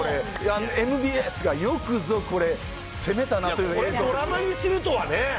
ＭＢＳがよくぞ、これ、攻めたなこれ、ドラマにするとはね。